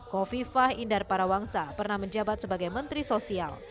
kofi fah indar parawangsa pernah menjabat sebagai menteri sosial